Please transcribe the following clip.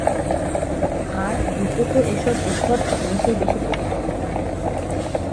আর Dupont তো এসব উদ্ভট জিনিসেই বেশি পোক্ত।